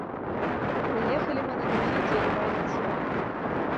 Прыехалі мы на другі дзень раніцаю.